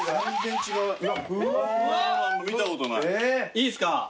いいですか。